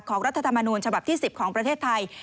รัฐธรรมนูญฉบับที่๑๐ของประเทศไทย